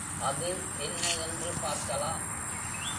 அது என்ன என்று பார்க்கலாம்.